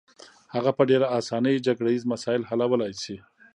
هغه په ډېره اسانۍ جګړه ییز مسایل حلولای شي.